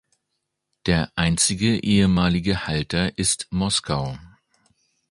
Der einzige ehemaligen Halter ist Moskau.